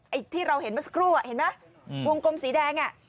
ไอ้ที่เราเห็นเมื่อสักครู่เห็นไหมวงกลมสีแดงอ่ะ